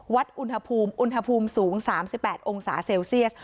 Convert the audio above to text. วัดอุณหภูมิอุณหภูมิสูงสามสิบแปดองศาเซลเซียส